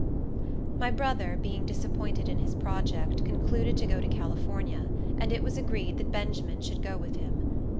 My brother, being disappointed in his project, concluded to go to California; and it was agreed that Benjamin should go with him.